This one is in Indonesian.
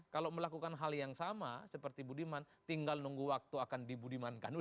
kalau melakukan hal yang sama seperti budiman tinggal nunggu waktu akan dibudimankan dulu